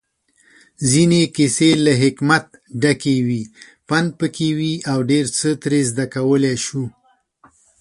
ځينې کيسې له حکمت ډکې وي، پندپکې وي اوډيرڅه ترې زده کولی شو